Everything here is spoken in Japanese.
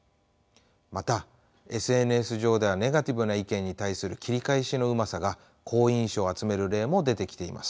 またＳＮＳ上ではネガティブな意見に対する切り返しのうまさが好印象を集める例も出てきています。